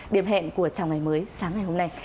điểm hẹn của chào ngày mới sáng ngày hôm nay